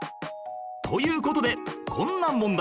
という事でこんな問題